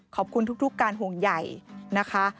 ขอบคุณทุกการห่วงใหญ่นะคะ